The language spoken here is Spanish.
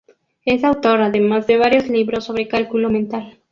Es autor además de varios libros sobre cálculo mental.